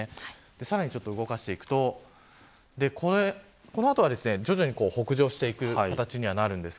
さらに動かしていくとこの後は徐々に北上していく形にはなります。